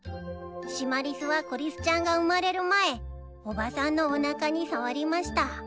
シマリスはコリスちゃんが生まれる前おばさんのおなかに触りました。